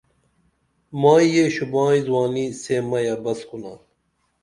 مائی یہ شوباں زُوانی سے مئی ابس کُنا